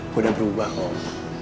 gue udah berubah om